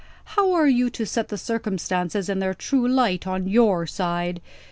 How are you to set the circumstances in their true light, on your side?